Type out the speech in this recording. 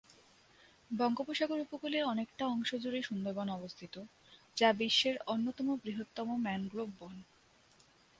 বঙ্গোপসাগর উপকূলে অনেকটা অংশ জুড়ে সুন্দরবন অবস্থিত, যা বিশ্বের অন্যতম বৃহত্তম ম্যানগ্রোভ বন।